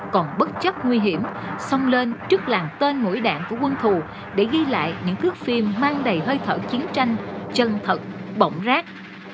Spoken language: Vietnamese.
còn bất chấp nguy hiểm song lên trước làng tên mũi đạn của quân thù để ghi lại những thước phim mang đầy hơi thở chiến tranh chân thật bỏng rác